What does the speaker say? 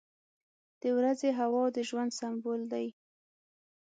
• د ورځې هوا د ژوند سمبول دی.